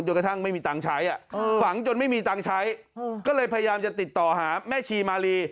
กระทั่งไม่มีตังค์ใช้ฝังจนไม่มีตังค์ใช้ก็เลยพยายามจะติดต่อหาแม่ชีมาลี